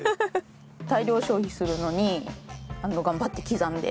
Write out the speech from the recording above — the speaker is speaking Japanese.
大量消費するのに頑張って刻んで。